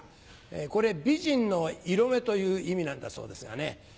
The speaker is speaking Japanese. これ美人の色目という意味なんだそうですがね。